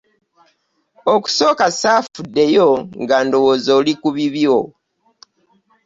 Okusooka ssaafuddeyo nga ndowooza oli ku bibyo.